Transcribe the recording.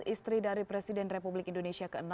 istri dari presiden republik indonesia ke enam